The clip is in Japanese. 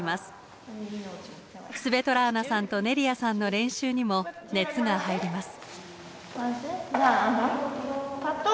スヴェトラーナさんとネリアさんの練習にも熱が入ります。